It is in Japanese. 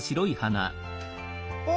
お！